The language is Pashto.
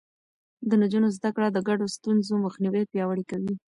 د نجونو زده کړه د ګډو ستونزو مخنيوی پياوړی کوي.